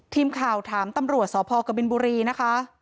ทีมข่าวถามตำรวจสพกบินบุรีนะคะ